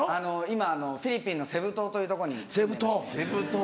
今フィリピンのセブ島というとこに住んでまして。